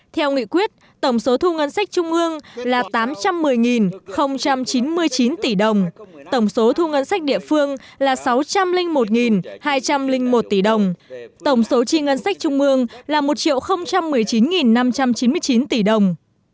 theo nghị quyết tổng số thu ngân sách trung ương là tám trăm một mươi chín mươi chín tỷ đồng tổng số thu ngân sách địa phương là sáu trăm linh một hai trăm linh một tỷ đồng tổng số chi ngân sách trung ương là một một mươi chín năm trăm chín mươi chín tỷ đồng